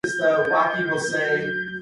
Many texts remain unpublished.